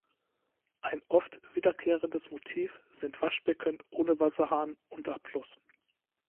Ein oft wiederkehrendes Motiv sind Waschbecken ohne Wasserhahn und Abfluss.